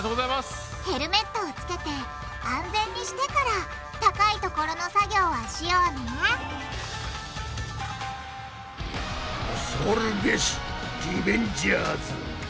ヘルメットをつけて安全にしてから高い所の作業はしようね恐るべしリベンジャーズ。